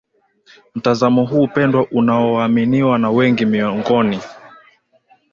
mtazamo huu pendwa unaoaminiwa na wengi miongoni